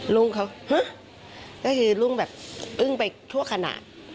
รุ่งเขาฮะก็คือรุ่งแบบอึ้งไปทั่วขณะ